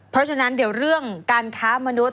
เพราะฉะนั้นเดี๋ยวเรื่องการค้ามนุษย